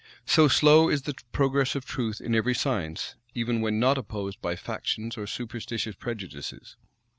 So slow is the progress of truth in every science, even when not opposed by factious or superstitious prejudices.